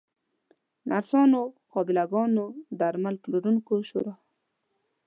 نرسانو، قابله ګانو، درمل پلورونکو شورا